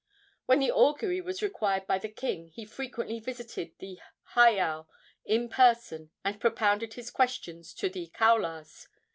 When an augury was required by the king he frequently visited the heiau in person and propounded his questions to the kaulas.